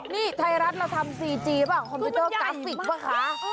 นี่ไทรัสเราทำซีจีวะกัฟติวเจ้ากัฟสิตเว้าคะ